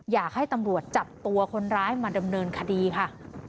อยากให้ตำรวจจับตัวคนร้ายมาดำเนินคดีค่ะ